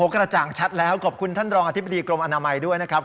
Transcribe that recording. กระจ่างชัดแล้วขอบคุณท่านรองอธิบดีกรมอนามัยด้วยนะครับ